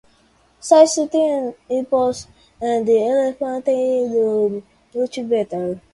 Since then, hippos and elephants do much better.